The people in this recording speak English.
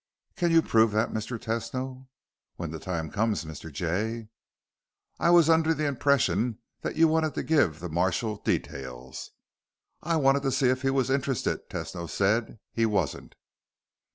"Can you prove that, Mr. Tesno?" "When the time comes, Mr. Jay." "I was under the impression that you wanted to give the marshal details." "I wanted to see if he was interested," Tesno said. "He wasn't."